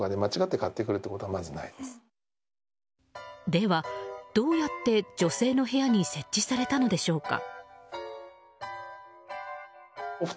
ではどうやって女性の部屋に設置されたのでしょうか。